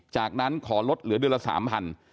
จากนั้นขอลดเหลือเดือนละ๓๐๐บาท